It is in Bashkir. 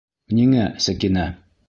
Ниңә, Сәкинә?